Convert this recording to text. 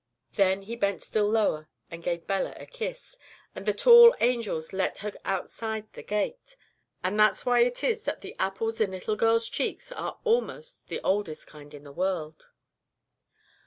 "Then He bent still lower and gave Bella a kiss, and the tall angels led her outside the gate; and that's why it is that the apples in little girls' cheeks are almost the oldest kind in the world."